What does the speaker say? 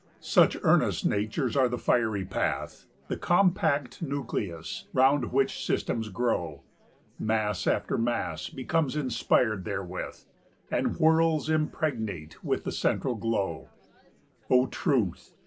Such earnest natures are the fiery pith, The compact nucleus, round which systems grow! 10 Mass after mass becomes inspired therewith, And whirls impregnate with the central glow, O Truth!